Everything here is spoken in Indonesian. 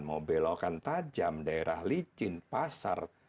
mau belokan tajam daerah licin pasar